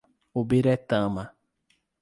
Ubiretama